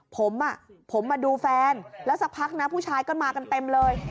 ผมผมมาดูแฟนแล้วสักพักนะผู้ชายก็มากันเต็มเลย